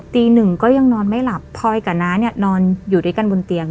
ตีหนึ่งก็ยังนอนไม่หลับพลอยกับน้าเนี่ยนอนอยู่ด้วยกันบนเตียง